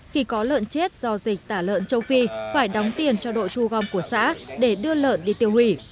khi có lợn chết do dịch tả lợn châu phi phải đóng tiền cho đội thu gom của xã để đưa lợn đi tiêu hủy